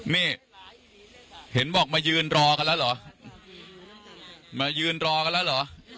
นี่เห็นบอกมายืนรอกันแล้วเหรอมายืนรอกันแล้วเหรอ